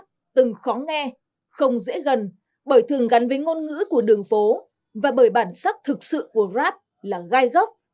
nếu như rap từng khó nghe không dễ gần bởi thường gắn với ngôn ngữ của đường phố và bởi bản sắc thực sự của rap là gai gốc